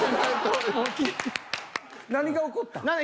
何が起こったん？